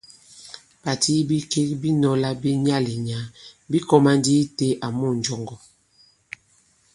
Pàti yi bikek bi nɔ̄lā bi nyaà-li-nyàà bī kōmā ndi itē àmu ǹnjɔŋgɔ.